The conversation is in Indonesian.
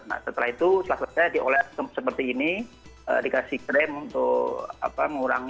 nah setelah itu selesai diolah seperti ini dikasih krem untuk mengurangi